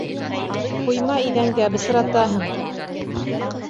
Ҡуйма иҙәнгә, бысратаһың!